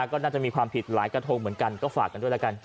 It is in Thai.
ก็น่าจะมีความผิดหลายกระทงเหมือนกันก็ฝากกันด้วยแล้วกัน